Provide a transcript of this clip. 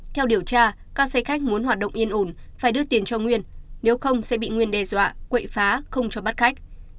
theo điều tra các xe khách muốn hoạt động yên ổn phải đưa tiền cho nguyên nếu không sẽ bị nguyên đe dọa quậy phá không cho bắt khách